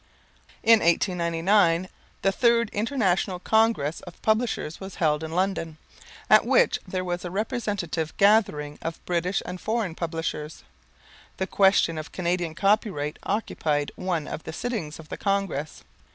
In 1899, the third International Congress of Publishers was held in London, at which there was a representative gathering of British and foreign publishers. The question of Canadian copyright occupied one of the sittings of the Congress.